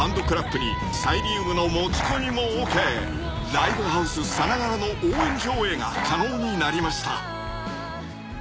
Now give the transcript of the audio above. ［ライブハウスさながらの応援上映が可能になりました］